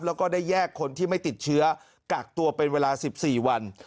แล้วก็ได้แยกคนที่ไม่ติดเชื้อกักตัวเป็นเวลา๑๔วัน